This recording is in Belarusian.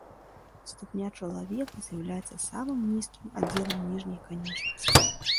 Ступня чалавека з'яўляецца самым нізкім аддзелам ніжняй канечнасці.